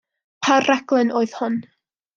Pa raglen oedd hon?